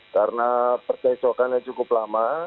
karena percocokannya cukup lama